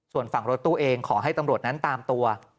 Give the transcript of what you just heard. ส่วนฝั่งรถตู้เองขอให้ตำรวจนั้นตามตัว